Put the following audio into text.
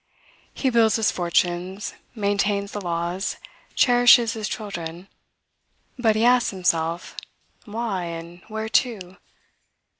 He builds his fortunes, maintains the laws, cherishes his children; but he asks himself, why? and whereto?